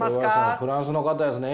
フランスの方ですね。